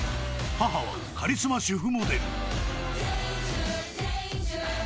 ［母はカリスマ主婦モデル］